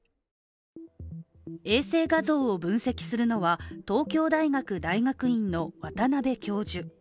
衛星画像を分析するのは、東京大学大学院の渡邉教授。